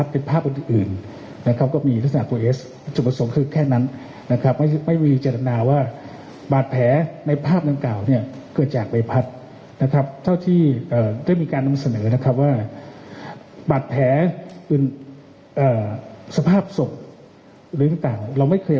ได้มีการนำเสนอว่าบาดแผลเป็นสภาพศพเราไม่เคยมาเปลือกเผย